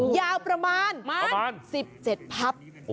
ยาวประมาณ๑๗พับ